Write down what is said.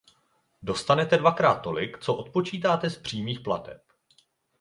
Dostanete dvakrát tolik, co odpočítáte z přímých plateb.